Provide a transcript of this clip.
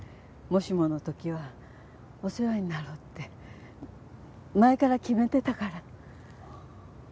もしもの時はお世話になろうって前から決めてたから。